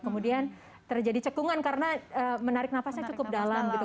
kemudian terjadi cekungan karena menarik nafasnya cukup dalam gitu